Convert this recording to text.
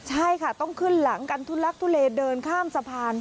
ใช่ค่ะต้องขึ้นหลังกันทุลักทุเลเดินข้ามสะพาน